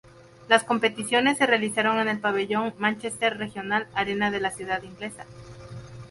Las competiciones se realizaron en el pabellón Manchester Regional Arena de la ciudad inglesa.